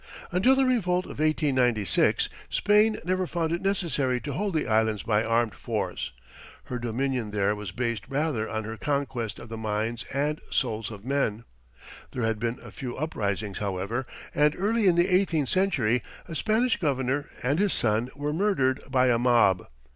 Until the revolt of 1896, Spain never found it necessary to hold the Islands by armed force; her dominion there was based rather on her conquest of the minds and souls of men. There had been a few uprisings, however, and early in the eighteenth century a Spanish governor and his son were murdered by a mob.